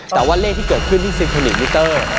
แต่ว่าเลขที่เกี่ยวขึ้นที่๑๑มิเตอร์